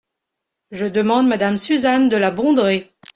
Je demande madame Suzanne de La Bondrée.